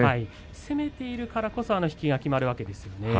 攻めているからこそあの引きがきまるわけですね。